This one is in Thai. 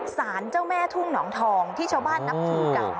สารเจ้าแม่ทุ่งหนองทองที่ชาวบ้านนับถือกัน